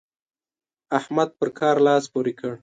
احمد پر کار لاس پورې کړ.